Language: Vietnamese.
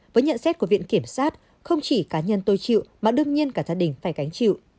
với nhận xét của viện kiểm sát không chỉ cá nhân tôi chịu mà đương nhiên cả gia đình phải gánh chịu